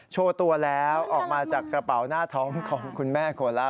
โชว์ตัวแล้วออกมาจากกระเป๋าหน้าท้องของคุณแม่โคล่า